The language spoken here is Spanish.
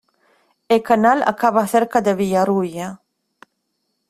El canal acaba cerca de Villarrubia.